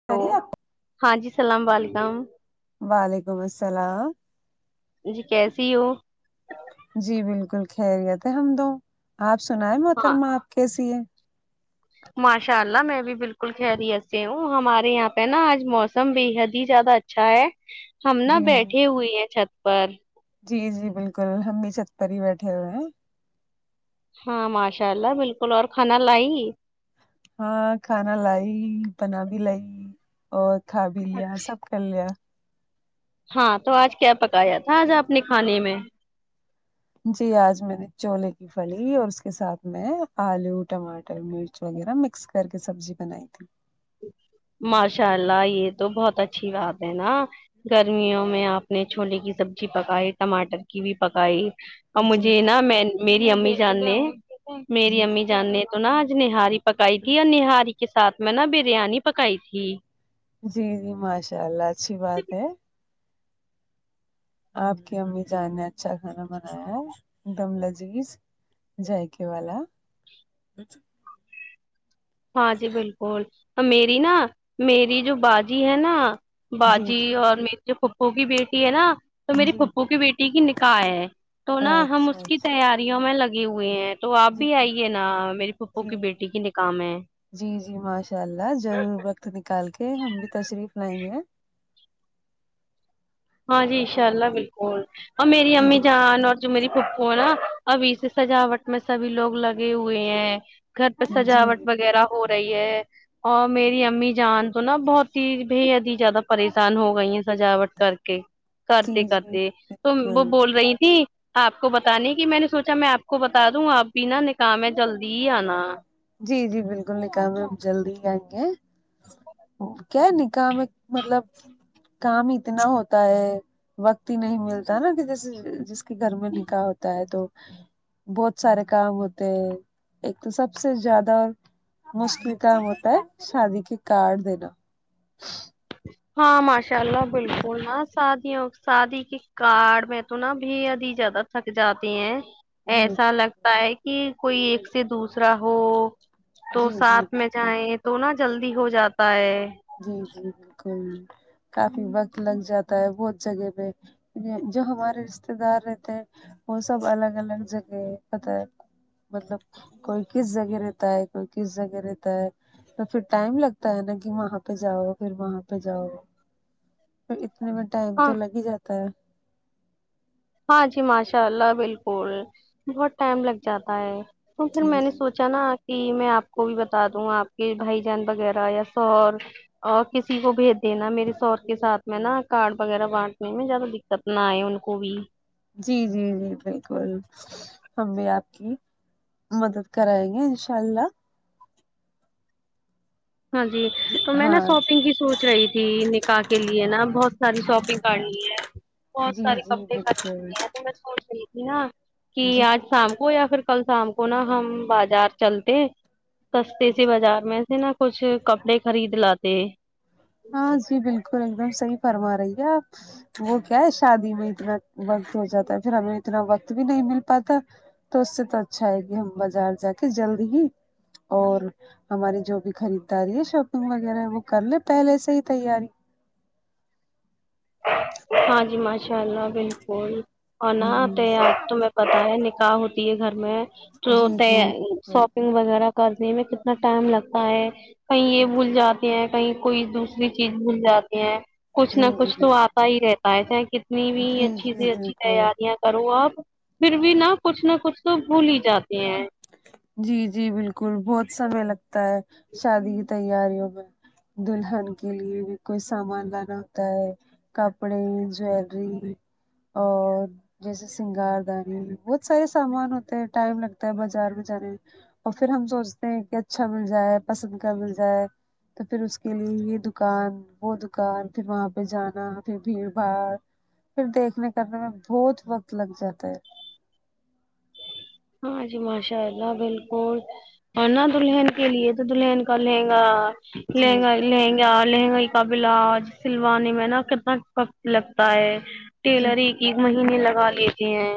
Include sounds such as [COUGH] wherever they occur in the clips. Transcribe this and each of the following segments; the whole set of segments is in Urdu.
ہیلو خری آپ ہاں جی سلام وعلیکم وعلیکم السلام جی کیسی ہو جی بالکل خیریت ہے ہم تو آپ سنائیں ہاں محترمہ آپ کیسی ہے ماشاء اللہ میں بھی بالکل خیریت سے ہوں ہمارے یہاں پہ ناں آج موسم بے حد ہی زیادہ اچھا ہے ہم ناں جی جی بیٹھی ہوئی ہیں چھت پر جی جی بالکل ہم بھی چھت پر ہی بیٹھے ہوئے ہیں ہاں ماشاء اللہ بالکل اور کھانا لائی ہاں کھانا لائی بنا بھی لائی اور کھا بھی لیا سب کر لیا ہاں تو آج کیا پکایا تھا آج آپ نے کھانے میں جی آج میں نے چولے کی پھلی اور اس کے ساتھ میں آلو ٹماٹر مرچ وغیرہ مکس کر کے سبزی بنائی تھی ماشاء اللہ یہ تو بہت اچھی بات ہے نہ گرمیوں میں آپ نے چھولے کی سبزی پکائی ٹماٹر کی بھی پکائی اور جی مجھے نہ میں میری امی جان نے میری جی امی جان نے تو نہ آج نہاری پکائی تھی اور نہاری کے ساتھ میں نہ بریانی پکائی تھی جی جی ماشاء اللہ اچھی بات ہے آپ کی امی جان نے اچھا کھانا بنایا ہے ایک دم لذیذ زایقے والا ہاں جی بالکل میری نہ میری جو باجی ہے نہ جی باجی جی اور میری جو پھوپھو کی بیٹی ہے نا تو میری جی پھوپھو کی بیٹی کی نکاح ہے تو نہ ہم اچھا اس کی اچھا تیاریوں میں لگے ہوئے ہیں تو آپ جی بھی آئیے نا میری پھوپھو جی کی بیٹی کی نکاح میں جی جی ماشاء اللہ ضرور وقت نکال کے ہم بھی تشریف لائیںگے ہاں جی انشاء اللہ بالکل اور میری جی امی جان اور جو میری پھوپھو ہے نا ابھی سے سجاوٹ میں سبھی لوگ لگے ہوئے ہیں گھر پہ جی سجاوٹ وغیرہ ہو رہی ہے اور میری امی جان تو نہ بہت ہی بےحد ہی زیادہ پریشان ہو گئی ہیں سجاوٹ کر کے جی کرتے جی کرتے تو وہ بالکل بول رہی تھی آپ کو بتانے کی میں نے سوچا میں آپ کو بتا دوں آپ بھی نہ نکاح میں جلدی ہی آنا جی جی بالکل نکاح میں ہم جلدی ہی آئیںگے کیا نکاح میں مطلب کام اتنا ہوتا ہے وقت ہی نہیں ملتا نہ کہ کسی جس کے گھر میں نکاح ہوتا ہے تو بہت سارے کام ہوتے ہیں ایک تو سب سب سے زیادہ مشکل کام ہوتا ہے شادی کے کارڈ دینا ہاں ماشاء اللہ بالکل نہ شادیوں شادی کے کارڈ میں تو نا بے حد ہی زیادہ تھک جاتے ہیں جی ایسا لگتا ہے کی کوئی ایک سے دوسرا ہو تو جی جی ساتھ میں بالکل جائیں تو نہ جلدی ہو جاتا ہے جی جی بالکل کافی وقت لگ جاتا ہے بہت جگہ پہ جو ہمارے رشتے دار رہتے ہیں وہ سب الگ الگ جگہ قطر مطلب کوئی کس جگہ رہتا ہے کوئی کس جگہ رہتا ہے تو پھر ٹائم لگتا ہے نا کہ وہاں پہ جاؤ پھر وہاں پہ جاؤ پھر اتنے میں ٹائم ہاں تو لگ ہی جاتا ہے ہاں جی ماشاء اللہ بالکل بہت ٹائم لگ جاتا ہے تو پھر جی میں نے جی سونچا نہ جی میں آپ کو بھی بتا دوں آپ کے بھائی جان وغیرہ یا سور اور کسی کو بھیج دینا میرےشوہر کے ساتھ میں نا کارڈ وغیرہ بانٹنے میں زیادہ دک ستنا آئے ان کو بھی جی جی جی بالکل ہم بھی آپ کی مدد کرایے گے انشاء اللہ ہاں جی تو میں نا ہاں شاپنگ کی سوچ رہی تھی نکاح کے لیے نا بہت ساری شاپنگ کرنی ہے بہت جی سارے جی کپڑے خریدتے بالکل ہیں تو میں سوچ رہی تھی نہ کی جی آج شام کو یا پھر کل شام کو نا ہم بازار چلتے سستے سے بازار میں سے نہ کچھ کپڑے خرید لاتے ہیں ہاں جی بالکل ایک دم صحیح فرما رہی ہے آپ وہ کیا ہے شادی میں اتنا وقت ہو جاتا ہے پھر ہمیں اتنا وقت بھی نہیں مل پاتا تو اس سے تو اچھا ہے کی ہم بازار جا کے جلد ہی اور ہماری جو بھی خریداری ہے شاپنگ وغیرہ وہ کر لے پہلے سے ہی تیاری ہاں جی ماشاء اللہ بالکل اور [UNINTELLIGIBLE] ہوں اب تمہیں پتاہ ہے نکاح ہوتی ہے گھر میں تو جی جی بالکل شاپنگ وغیرہ کرنے میں کتنا ٹائم لگتا ہے کہیں یہ بھول جاتے ہیں کہیں کوئی دوسری چیز بھول جاتی ہیں کچھ نہ جی کچھ تو جی آتا ہی رہتا ہیں چاہے کتنی بھی جی اچھی جی سی اچھی بالکل تیاریاں کرو آپ پھر بھی نا کچھ نہ کچھ تو بھول ہی جاتی ہیں جی جی بالکل بہت سمے لگتا ہے شادی کی تیاریوں میں دلہن کے لیے بھی کوئی سامان لانا ہوتا ہے کپڑے جیلری اور جیسے سنگار دانی بہت سارے سامان ہوتے ہیں ٹائم لگتا ہے بس بازار میں جانے ہیں اور پھر ہم سوچتے ہیں کہ اچھا مل جائے پسند کا مل جائے تو پھر اس کے لیے یہ دکان وہ دکان پھر وہاں پہ جانا پھر بھیڑ بھاڑ پھر دیکھنے کرنے میں بہت وقت لگ جاتا ہے ہاں جی ماشاء اللہ بالکل ہے نا دلہن کے لیے تو دلہن کا لہنگا جی لہنگا لہنگا لہنگا کا بلاج سلوانی میں نا کتنا لگتا ہے جی ٹیلر ایک ہی مہینے لگا لیتے ہیں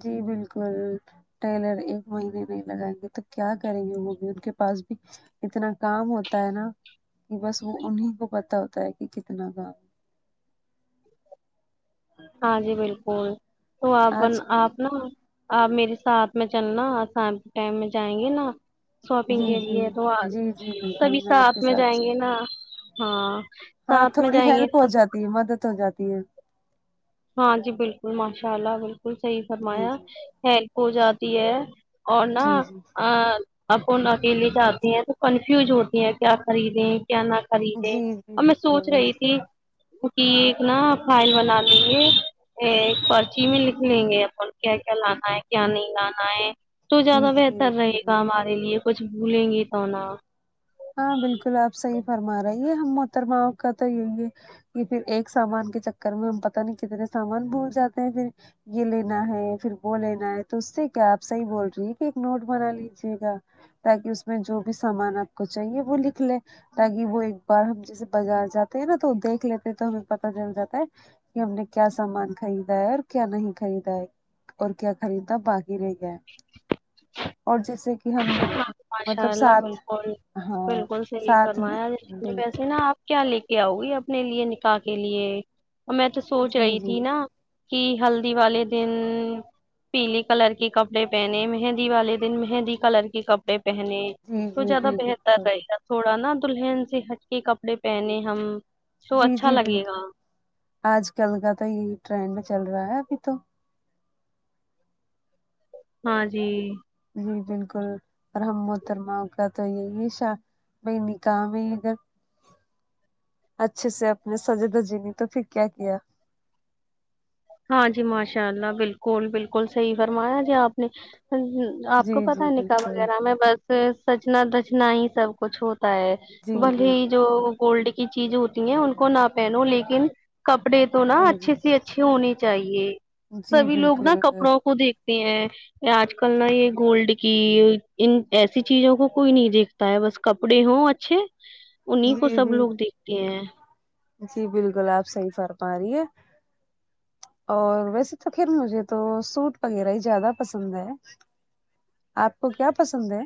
جی بالکل ٹیلر ایک مہینے نہیں لگائیں گے تو کیا کریں گے وہ بھی ان کے پاس بھی اتنا کام ہوتا ہے نا کہ بس وہ انہیں کو پتہ ہوتا ہے کہ کتنا کام ہاں جی بالکل تو آپن آج آپ نا ہم آپ میرے ساتھ میں چلنا آسام کے ٹائم میں جائیں گے نا شاپنگ جی کے جی لیے تو جی جی بالکل سبھی آپ کے ساتھ میں جائیں چل گے نا ہاں ہاں ساتھ میں تھوڑی جائیں گے ہیلپ ہو نا تو جاتی ہے مدد ہو جاتی ہے ہاں جی بالکل ماشاء اللہ بالکل صحیح جی فرمایا جی ہیلپ ہو جاتی ہے اور نہ جی جی ہاں آپ کون اکیلے جاتے ہیں تو کنفیوز ہوتے ہیں کیا خریدیں کیا نہ خریدے جی جی اور میں سونچ بالکل رہی تھی کہ ایک نا فائل بنالے پھر ایک پرچی میں لکھ لیں گے اپن کیا کیا لانا ہے کیا نہیں لانا ہے تو جی زیادہ جی بہتر رہے بالکل گا ہمارے لیے کچھ بھولیں گی تو نہ ہاں بالکل آپ صحیح فرما رہے ہیں یہ ہم محترماؤں کا تو یوہی یہ پھر ایک سامان کے چکر میں ہم پتہ نہیں کتنے سامان بھول جاتے ہیں پھر یہ لینا ہے پھر وہ لینا ہے تو اس سے کیا آپ صحیح بول رہی ہیں کہ ایک نوٹ بنا لیجیے گا تاکہ اس میں جو بھی سامان آپ کو چاہیے وہ لکھ لے تاکہ وہ ایک بار ہم جیسے بازار جاتے ہیں نا تو دیکھ لیتے ہیں تو ہمیں پتہ چل جاتا ہے کہ ہم نے کیا سامان خریدا ہے اور کیا نہیں خریدا ہے اور کیا خریدا باقی گرد لایے اور جیسے کہ ہم ہاں ماشاء مطلب اللہ ساتھ بالکل ہاں بالکل صحیح ساتھ میں فرمایا بالکل ویسے ہے نا آپ کیا لے کے آؤ گی اپنے لیے نکاح کے لیے میں تو سونچ جی رہی جی تھی نا کہ ہلدی والے دن پیلی کلر کے کپڑے پہنے مہندی والے دن مہندی کلر کے کپڑے پہنے جی تو جی زیادہ جی بہتر بالکل رہے گا تھوڑا نا دلہن سے ہٹ کے کپڑے پہنے ہم سب جی اچھا جی لگے گا بالکل آج کل کا تو یہی ٹرینڈ میں چل رہا ہے ابھی تو ہاں جی جی بالکل رحم محترما کا تو یہی شاب بھاںی نکاح میں اگر اچھے سے اپنے سجے دجے نہیں تو پھر کیا کیا ہاں جی ماشاء اللہ بالکل بالکل صحیح فرمایا جی آپ نے آپ جی کو پتہ جی ہے نکاح بالکل وغیرہ میں بس سجنا دجنا ہی سب کچھ ہوتا ہے جی جی بھلے جو بالکل گولڈ کی چیز ہوتی ہیں ان کو نہ پہنو لیکن کپڑے تو نا جی جی اچھے سے اچھے ہونے چاہیے جی سبھی لوگ نا بالکل کپڑوں کو دیکھتے ہیں آج کل نا یہ گولڈ کی ان ایسی چیزوں کو کوئی نہیں دیکھتا ہوتا ہے بس کپڑے ہوں اچھے انہیں کو جی سب جی لوگ دیکھتے ہیں جی بالکل آپ صحیح فر پا رہی ہے اور ویسے تو پھر مجھے تو سوٹ وغیرہ ہی زیادہ پسند ہے آپ کو کیا پسند ہے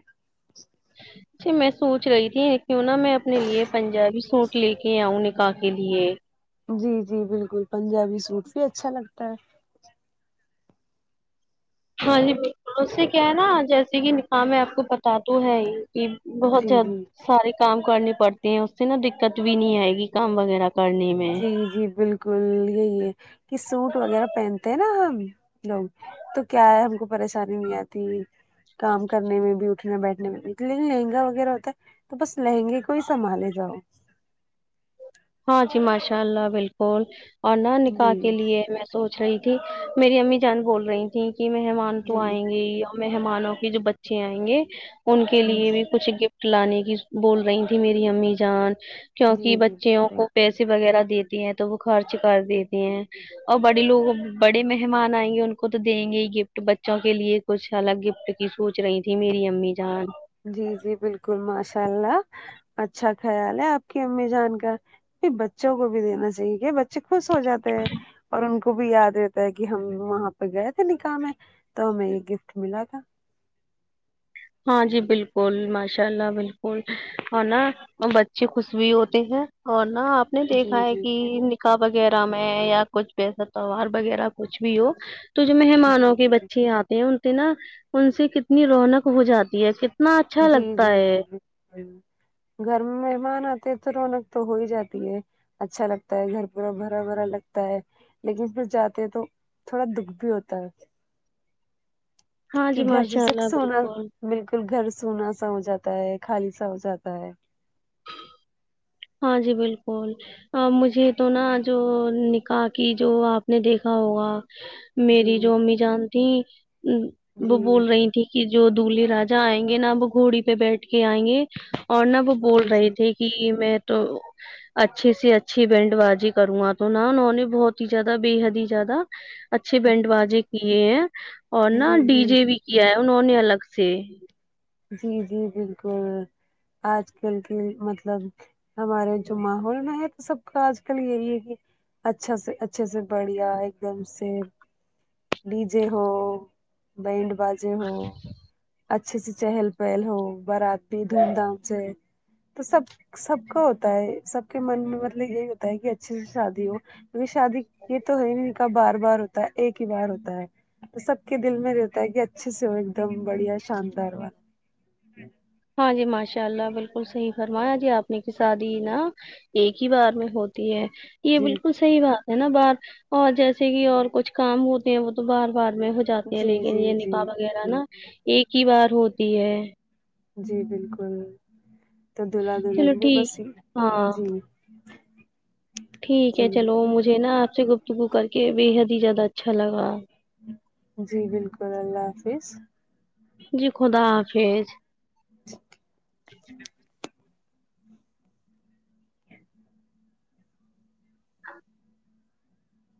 میں سوچ رہی تھی کیوں نہ میں اپنے لیے پنجابی سوٹ لے کے آؤں نکاح کے لیے جی جی بالکل پنجابی سوٹ بھی اچھا لگتا ہے ہاں جی بالکل اس سے کیا ہے نا جیسے کہ نکاح میں آپ کو پتہ تو ہے ہی کہ بہت جی زدہ جی سارے کام کرنے پڑتے ہیں اس سے نا دقت بھی نہیں آئے گی کام وغیرہ کرنے میں جی جی بالکل یہی ہے کہ سوٹ وغیرہ پہنتے ہیں نا ہم لوگ تو کیا ہے ہم کو پریشانی نہیں آتی کام کرنے میں بھی اٹھنے بیٹھنے میں لیکن لہنگا وغیرہ ہوتا ہے تو بس لہنگے کو ہی سنبھالے جاؤ ہاں جی ماشاء اللہ بالکل اور نہ نکاح جی کے لیے میں سوچ رہی تھی میری امی جان بول رہی تھیں کہ مہمان تو جی آئیں گے مہمانوں کے جو بچے آئیں گے ان کے جی لیے بھی کچھ گفٹ لانے کی بول رہی تھی میری امی جان کیونکہ جی بچ بالکل کو پیسے وغیرہ دیتی ہیں تو وہ خرچ کر دیتی ہیں اور بڑے لوگ بڑے مہمان آئیں گے ان کو تو دیں گے ہی گفٹ بچوں کے لیے کچھ الگ گفٹ کی سوچ رہی تھی میری امی جان جی جی بالکل ماشاء اللہ اچھا خیال ہے آپ کی امی جان کا بچوں کو بھی دینا چاہیے کہ بچ چے خوش ہو جاتے ہیں اور ان کو خب یاد رہتا ہے کہ ہم وہاں پہ گئے تھے نکاح میں تو ہمیں یہ گفٹ ملا تھا ہاں جی بالکل ماشاء اللہ بالکل اور نا بچے خوش بھی ہوتے ہیں اور نا آپ نے جی دیکھا ہے جی کہ کا وغیرہ میں یا کچھ بس توار وغیرہ کچھ بھی ہو تو جو جی مہمانوں کے بچے آتے ہیں انتے نا ان سے کتنی رونق ہو جاتی ہے کتنا اچھا جی لگتا جی ہے جی گھر میں مہمان آتے تو رونق تو ہو ہی جاتی ہے اچھا لگتا ہے گھر پورا بھرا بھرا لگتا ہے لیکن پھر جاتے ہیں تو تھوڑا دکھ بھی ہوتا ہے ہاں کہ جی گھر ماشاء جیسے اللہ سونا بالکل بالکل گھر سونا سا ہو جاتا ہے خالی سا ہو جاتا ہے ہاں جی بالکل مجھے تو نا جو نکاح کی جو آپ نے دیکھا ہوگا میری جی جو امی جان تیں وہ جی بول رہی تھی کہ جو دلہے راجا آئیں گے نہ وہ گھوڑی پہ بیٹھ کے آئیں گے اور نہ وہ بول جی رہے جی تھے ہی میں تو اچھی سے اچھی بینڈ بازی کروگا تو نا انہوں نے بہت ہی زیادہ بے حد ہی زیادہ اچھے جی بینڈ باازے کیے ہیں اور نا ڈی جی جے بھی کیا ہے انہوں نے الگ سے جی جی بالکل آج کل کے مطلب ہمارے جو ماحول میں سب کا آج کل یہی ہے کہ اچھا سے اچھے سے بڑھیا ایک دم سےیف ڈی جے ہو بینڈ بازے ہو اچھے سے چہل پہل ہو براتی دھوم دھام سے تو سب سب کا ہوتا ہے سب کے من میں مطلب یہی ہوتا ہے کہ اچھے سے شادی ہو شادی یہ تو ہے کا بار بار ہوتا ہے ایک ہی بار ہوتا ہے تو سب کے دل میں رہتا ہے کہ اچھے سے ہو ایک دم بڑھیا شاندار ہاں جی ماشاء اللہ بالکل صحیح فرمایا جی آپ نے کی شادی نا ایک ہی بار میں ہوتی ہے یہ جی بالکل صحیی بات ہے نا بار اور جیسے کہ اور کچھ کام ہوتے ہیں وہ تو بار بار میں ہو چاہتے ہیں جی لیکن جی یہ نکاح جی وغیرہ جی نا ایک ہی بار ہوتی ہے جی بالکل تو دلہا دلہن چلو بھی ٹھیک بسی ہی ہاں جی [INAUDIBLE] ٹھیک ہے جی چلو مجھے نا آپ سے گفتگو کر کے بے حد ہی زیادہ اچھا لگا جی بالکل اللہ حافظ جی خدا حافظ